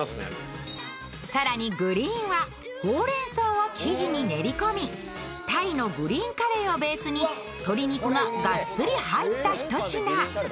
更にＧＲＥＥＮはほうれんそうを生地に練り込みタイのグリーンカレーをベースに鶏肉がガッツリ入った一品。